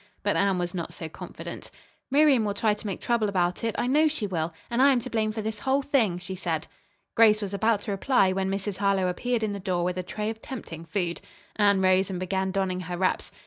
But Anne was not so confident. "Miriam will try to make trouble about it, I know she will. And I am to blame for the whole thing," she said. Grace was about to reply when Mrs. Harlowe appeared in the door with a tray of tempting food. Anne rose and began donning her wraps.